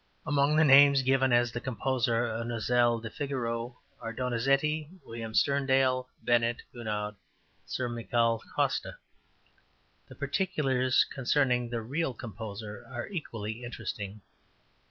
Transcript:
Among the names given as the composer of Nozze di Figaro are Donizetti, William Sterndale Bennett, Gunod, and Sir Mickall Costa. The particulars concerning the real composer are equally interesting.